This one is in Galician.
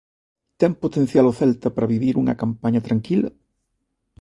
Ten potencial o Celta para vivir unha campaña tranquila?